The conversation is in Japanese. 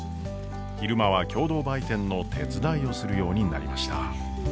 昼間は共同売店の手伝いをするようになりました。